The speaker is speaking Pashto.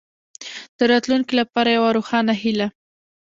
د راتلونکې لپاره یوه روښانه هیله.